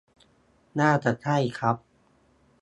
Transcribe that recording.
น่าจะใช่ครับ